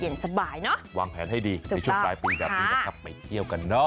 นี่